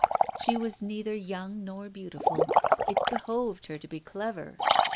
She was neither young nor beautiful : it be hoved her to be clever.